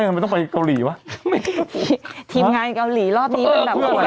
ทำไมต้องไปเกาหลีวะไม่ได้ทีมงานเกาหลีรอบนี้เป็นแบบ